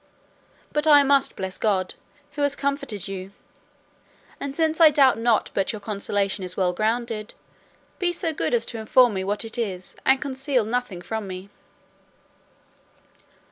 But I must bless God, who has comforted you; and since I doubt not but your consolation is well grounded, be so good as to inform me what it is, and conceal nothing from me."